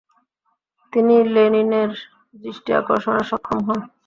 তিনি লেনিনের দৃষ্টি আকর্ষনে সক্ষম হন।